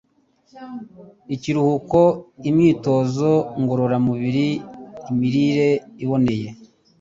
ikiruhuko, imyitozo ngororamubiri, imirire iboneye,